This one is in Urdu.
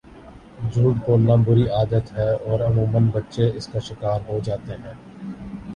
جھوٹ بولنا بُری عادت ہے اور عموماً بچے اس کا شکار ہوجاتے ہیں